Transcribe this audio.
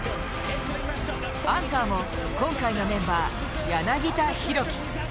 アンカーも今回のメンバー柳田大輝。